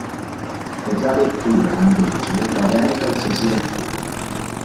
Per la lettura, invece, va bene qualsiasi lettore.